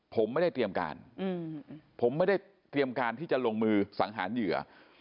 ผมไม่ได้เตรียมการผมไม่ได้เตรียมการที่จะลงมือสังหารเหยื่อ